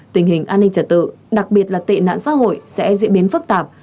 tình hình an ninh trật tự đặc biệt là tệ nạn xã hội sẽ diễn biến phức tạp